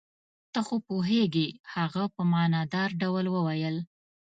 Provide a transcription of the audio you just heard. ته خو پوهېږې. هغه په معنی دار ډول وویل.